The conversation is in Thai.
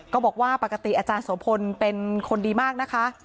บอกว่าปกติอาจารย์โสพลเป็นคนดีมากนะคะ